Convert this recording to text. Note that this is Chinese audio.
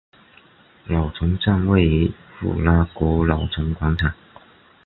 老城站位于布拉格老城广场。